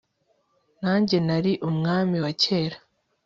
Nanjye nari umwami wa kera